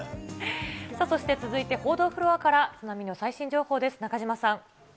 そして続いて、報道フロアから津波の最新情報です。